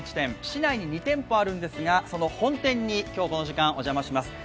市内に２店舗あるんですが、その本店に今日はお邪魔します。